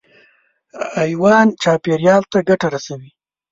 حیوانات چاپېریال ته ګټه رسوي.